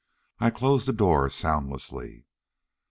I closed the door soundlessly.